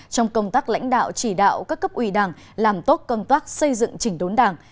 trong công tác lãnh đạo chỉ đạo các cấp ủy đảng làm tốt công tác xây dựng chỉnh đốn đảng